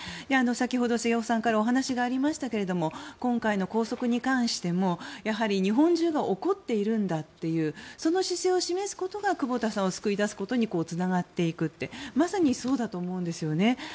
先ほど、瀬尾さんからお話がありましたけれども今回の拘束に関しても日本中が怒っているんだというその姿勢を示すことが久保田さんを救い出すことにつながっていくってまさにそうだと思うんですよね。